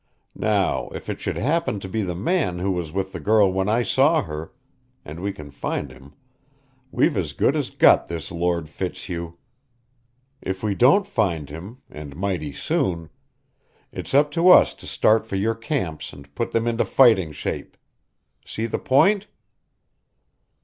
Now, if it should happen to be the man who was with the girl when I saw her and we can find him we've as good as got this Lord Fitzhugh. If we don't find him and mighty soon it's up to us to start for your camps and put them into fighting shape. See the point?"